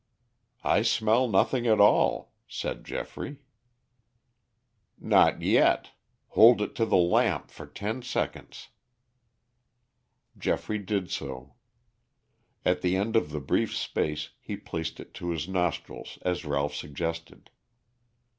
"I smell nothing at all," said Geoffrey. "Not yet. Hold it to the lamp for ten seconds." Geoffrey did so. At the end of the brief space he placed it to his nostrils as Ralph suggested.